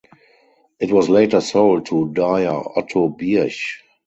It was later sold to dyer Otto Birch.